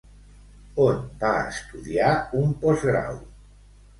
On va estudiar un postgrau?